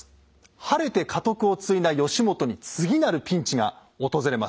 晴れて家督を継いだ義元に次なるピンチが訪れます。